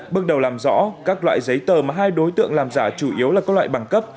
bước đầu làm rõ các loại giấy tờ mà hai đối tượng làm giả chủ yếu là các loại bằng cấp